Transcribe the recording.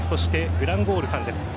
グランゴールさんです。